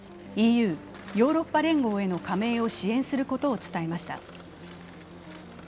ＥＵ＝ヨーロッパ連合への加盟を支援することを伝えました。